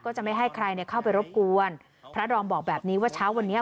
จะไม่ให้ใครเนี่ยเข้าไปรบกวนพระดอมบอกแบบนี้ว่าเช้าวันนี้